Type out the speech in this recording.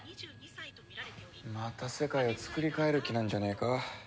また世界をつくり変える気なんじゃねえか？